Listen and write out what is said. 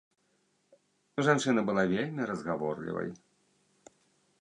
Жанчына была вельмі разгаворлівай.